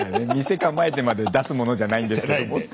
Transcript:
「店構えてまで出すものじゃないんですけども」って。